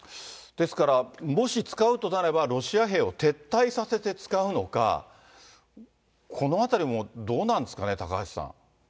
ですから、もし使うとなれば、ロシア兵を撤退させて使うのか、このあたりもどうなんですかね、高橋さん。